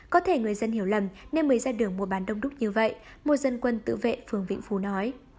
có thể người dân hiểu lầm nên mới ra đường mùa bán đông đúc như vậy một dân quân tự vệ phường vĩnh phú nói